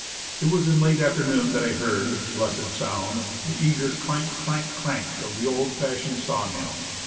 It was in late afternoon that I heard blessed sound the eager clank, clank, clank of the old fashioned sawmill.